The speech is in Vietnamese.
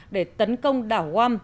để tấn công đảo guam